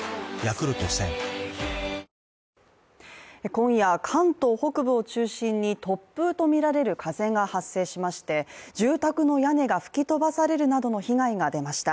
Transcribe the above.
今夜、関東北部を中心に突風とみられる風が発生しまして、住宅の屋根が吹き飛ばされるなどの被害が出ました。